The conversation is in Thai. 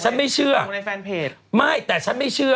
ต้องในแฟนเพจ